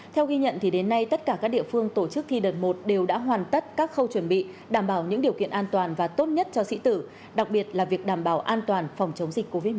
theo ghi nhận đến nay tất cả các địa phương tổ chức thi đợt một đều đã hoàn tất các khâu chuẩn bị đảm bảo những điều kiện an toàn và tốt nhất cho sĩ tử đặc biệt là việc đảm bảo an toàn phòng chống dịch covid một mươi chín